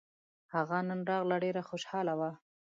هغه نن راغله ډېره خوشحاله وه